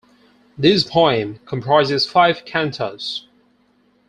This poem comprises five cantos.